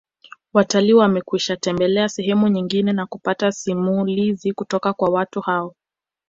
Watalii wamekwishatembelea sehemu nyingine na kupata simulizi kutoka kwa watu wao